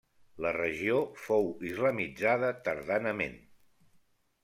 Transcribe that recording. La regió fou islamitzada tardanament.